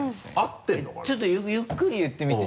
ちょっとゆっくり言ってみて「